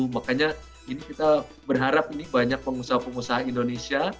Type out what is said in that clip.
makanya ini kita berharap ini banyak pengusaha pengusaha indonesia